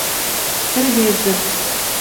Ӹрвезӹ: